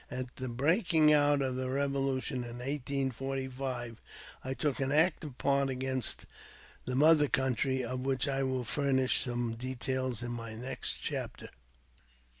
At the breaking out of the revolution in 1845, I took an active part against the mother country, of which I will furnish some details in my next chapter.